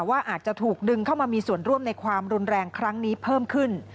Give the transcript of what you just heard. ว่าอาจจะถูกดึงเข้ามามีส่วนร่วมในความรุนแรงครั้งนี้เพิ่มขึ้น